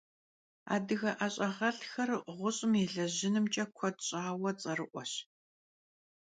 Adıge 'eş'ağelh'xer ğuş'ım yêlejınımç'e kued ş'aue ts'erı'ueş.